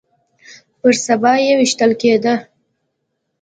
پر سبا يې ويشتل کېده.